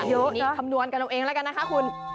อันนี้คำนวณกันตรงเองแล้วกันนะคะคุณ